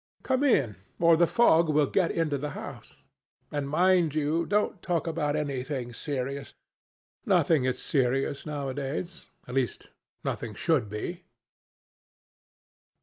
Come in, or the fog will get into the house. And mind you don't talk about anything serious. Nothing is serious nowadays. At least nothing should be."